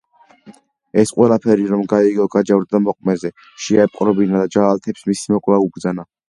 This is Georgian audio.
ეს ყველაფერი რომ გაიგო, გაჯავრდა მოყმეზე, შეაპყრობინა და ჯალათებს მისი მოკვლა უბრძანა.